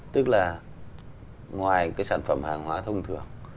tức là ngoài cái sản phẩm hàng hóa thông thường